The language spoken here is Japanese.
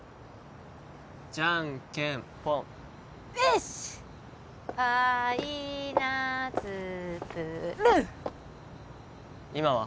じゃんけんぽんよしっパ・イ・ナ・ツ・プ・ル今は？